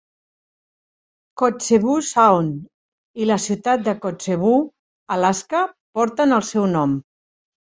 Kotzebue Sound i la ciutat de Kotzebue, Alaska porten el seu nom.